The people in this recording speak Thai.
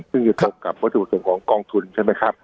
ซึ่งจะตกกับวัตถุส่วนของกองทุนใช่ไหมครับ